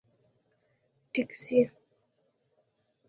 🚖 ټکسي